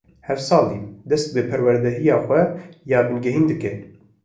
Heft salî dest bi perwedeya xwe ya bingehîn dike.